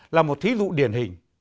là một thí dụ điển hình